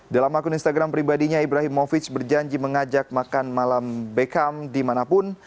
dalam akun instagram pribadinya ibrahim movic berjanji mengajak makan malam beckham dimanapun